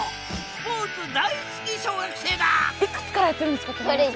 スポーツ大好き小学生だ